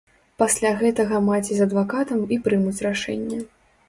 Пасля гэтага маці з адвакатам і прымуць рашэнне.